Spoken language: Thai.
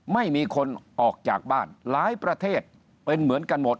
ไม่มีคนออกจากบ้านหลายประเทศเป็นเหมือนกันหมด